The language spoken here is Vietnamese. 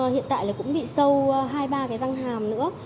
hiện tại là cũng bị sâu hai ba cái răng hàm nữa